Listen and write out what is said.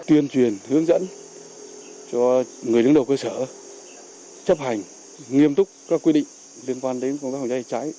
tuyên truyền hướng dẫn cho người đứng đầu cơ sở chấp hành nghiêm túc các quy định liên quan đến công tác phòng cháy cháy